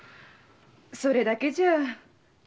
それだけじゃ。